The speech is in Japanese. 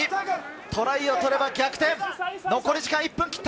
トライを取れば逆転、残り時間１分切った。